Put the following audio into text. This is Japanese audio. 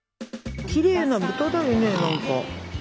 きれいな豚だよね何か。